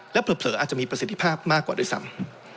เผลออาจจะมีประสิทธิภาพมากกว่าด้วยซ้ำ